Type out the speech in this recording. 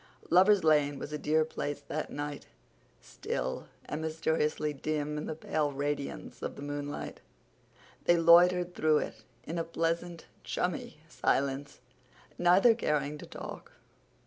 Lover's Lane was a dear place that night, still and mysteriously dim in the pale radiance of the moonlight. They loitered through it in a pleasant chummy silence, neither caring to talk.